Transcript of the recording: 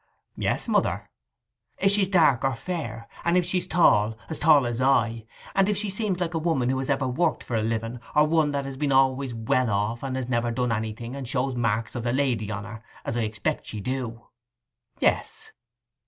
'Yes, mother.' 'If she's dark or fair, and if she's tall—as tall as I. And if she seems like a woman who has ever worked for a living, or one that has been always well off, and has never done anything, and shows marks of the lady on her, as I expect she do.' 'Yes.